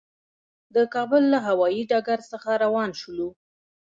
د کابل له هوایي ډګر څخه روان شولو.